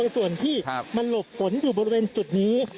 ส่วนที่มันหลบฝนอยู่บริเวณจุดนี้